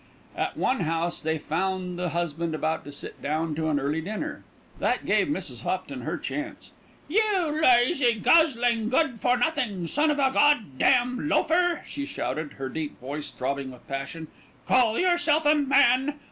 At one house they found the husband about to sit down to an early dinner. That gave Mrs. Hopton her chance. "You lazy, guzzling, good for nothing son of a God damn loafer!" she shouted, her deep voice throbbing with passion. "Call yourself a man?